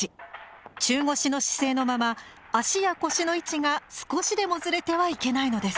中腰の姿勢のまま足や腰の位置が少しでもずれてはいけないのです。